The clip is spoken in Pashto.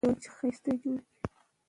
ورور یې د شپاړس کلنۍ نه مسلمان شو.